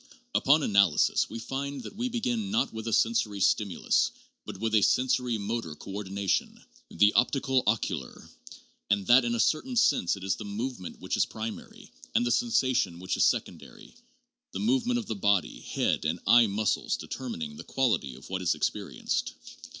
Upon analysis, we find that we begin not with a sensory stimulus, but with a sensori motor coordination, the optical ocular, and that in a certain sense it is the movement which is primary, and the sensation which is secondary, the movement of body, head and eye muscles determining the quality of what is experienced.